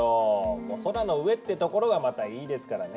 もう空の上ってところがまたいいですからね。